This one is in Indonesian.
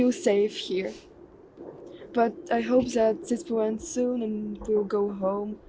tapi saya berharap ini akan berakhir dan saya akan pulang ke rumah